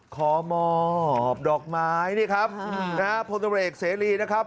ขอมอบดอกไม้นี่ครับนะฮะพลตำรวจเอกเสรีนะครับ